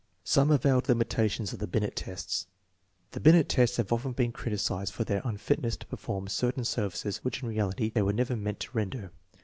Some avowed limitations of the Binet tests. The Binet tests have often been criticized for their unfitncss to perform certain services which in reality they were never meant to render.